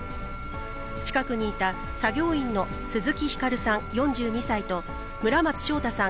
近くにいた作業員の鈴木光さん４２歳と、村松翔太さん